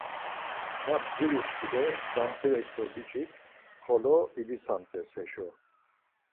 Ma bdzri şkule damtirek do biç̌ik xolo idzitsamt̆es heşo.